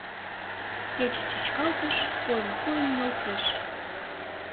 Кече чӱчкалтыш, койын-койын нӧлтеш.